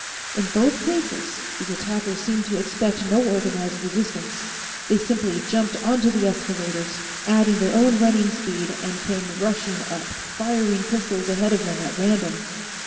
In both cases, the attackers seemed to expect no organized resistance. They simply jumped onto the escalators, adding their own running speed, and came rushing up, firing pistols ahead of them at random.